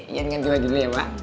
iyan ganti lagi dulu ya emak